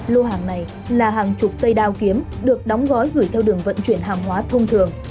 lô hàng này là hàng chục cây đao kiếm được đóng gói gửi theo đường vận chuyển hàng hóa thông thường